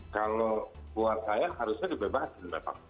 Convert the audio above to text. kalau buat saya harusnya dibebasin memang